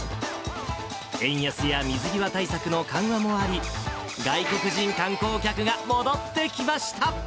円安や水際対策の緩和もあり、外国人観光客が戻ってきました。